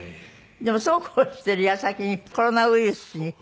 でもそうこうしてる矢先にコロナウイルスに。